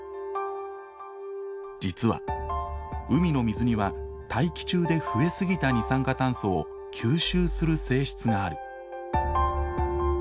実は海の水には大気中で増え過ぎた二酸化炭素を吸収する性質がある。